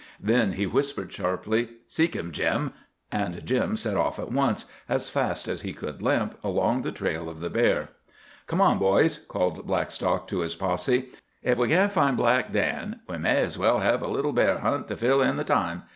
Then he whispered, sharply, "Seek him, Jim." And Jim set off at once, as fast as he could limp, along the trail of the bear. "Come on, boys," called Blackstock to his posse. "Ef we can't find Black Dan we may as well hev a little bear hunt to fill in the time.